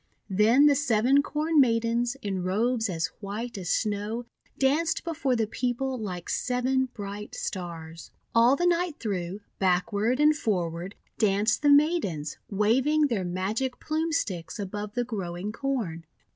Then the Seven Corn Maidens, in robes as white as Snow, danced before the people like seven bright Stars. All the night through, backward and forward, danced the Maidens, waving their Magic Plume Sticks above the growing Corn.